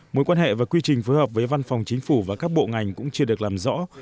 mối quan hệ và quy trình phối hợp với văn phòng chính phủ và các bộ ngành cũng chưa được làm rõ